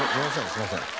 すみません。